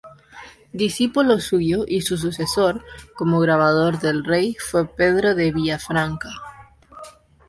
Discípulo suyo y su sucesor como grabador del rey fue Pedro de Villafranca.